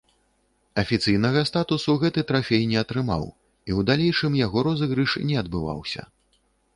Афіцыйнага статусу гэты трафей не атрымаў і ў далейшым яго розыгрыш не адбываўся.